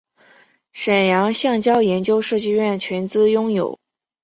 沈阳橡胶研究设计院全资拥有。